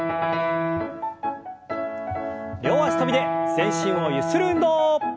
両脚跳びで全身をゆする運動。